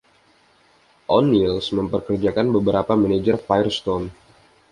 O'Neils mempekerjakan beberapa manajer Firestone.